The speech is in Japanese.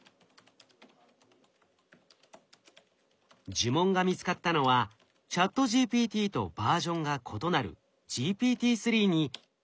呪文が見つかったのはＣｈａｔＧＰＴとバージョンが異なるＧＰＴ−３に数学の文章問題を出した時でした。